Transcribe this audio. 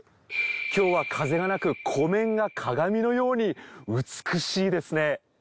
今日は風がなく湖面が鏡のように美しいですね。